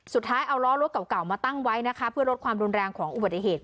สุดท้ายเอาล้อรถเก่ามาตั้งไว้นะคะเพื่อลดความรุนแรงของอุบัติเหตุ